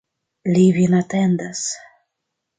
Li vin atendas.